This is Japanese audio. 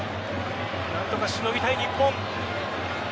何とかしのぎたい日本。